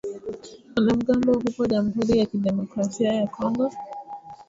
wanamgambo huko jamhuri ya kidemokrasia ya Kongo